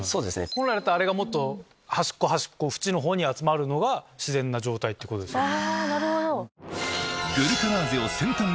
本来だったらあれが端っこに集まるのが自然な状態ってことですよね。